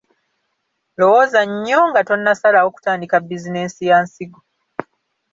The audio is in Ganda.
Lowooza nnyo nga tonnasalawo kutandika bizinensi ya nsigo.